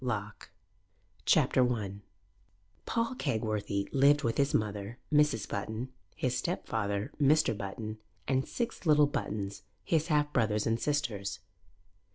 LOCKE CHAPTER I PAUL KEGWORTHY lived with his mother, Mrs. Button, his stepfather, Mr. Button, and six little Buttons, his half brothers and sisters.